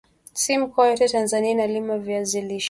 Si mikoa yote Tanzania inalima VIazi lishe